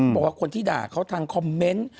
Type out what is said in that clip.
บอกว่าคนที่ด่าเขาทางคอมเมนต์